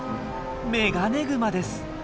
メガネグマです。